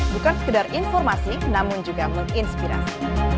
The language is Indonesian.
bukan sekedar informasi namun juga menginspirasi